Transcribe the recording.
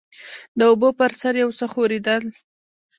د اوبو پر سر يو څه ښورېدل.